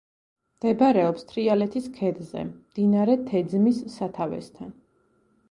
მდებარეობს თრიალეთის ქედზე, მდინარე თეძმის სათავესთან.